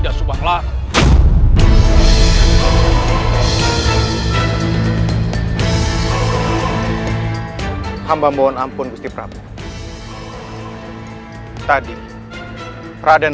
masuklah ke dalam